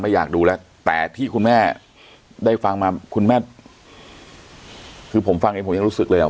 อยากดูแล้วแต่ที่คุณแม่ได้ฟังมาคุณแม่คือผมฟังเองผมยังรู้สึกเลยอ่ะ